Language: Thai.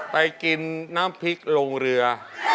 ไปกินน้ำพริกลงเรือ